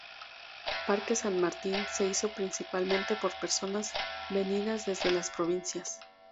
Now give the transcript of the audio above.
Parque San Martín se hizo principalmente por personas venidas desde las provincias.